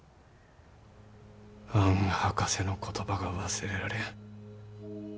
あん博士の言葉が忘れられん。